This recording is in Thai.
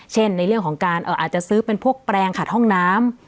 ในเรื่องของการอาจจะซื้อเป็นพวกแปลงขัดห้องน้ำ